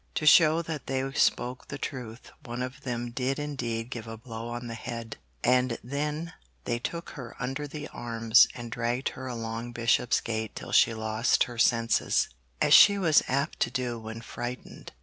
To show that they spoke the truth, one of them did indeed give a blow on the head, and then they took her under the arms and dragged her along Bishopsgate till she lost her senses, as she was apt to do when frightened.